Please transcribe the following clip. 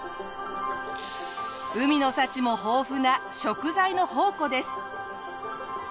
海の幸も豊富な食材の宝庫です。